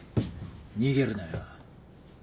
逃げるなよ。